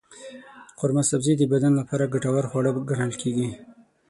قورمه سبزي د بدن لپاره ګټور خواړه ګڼل کېږي.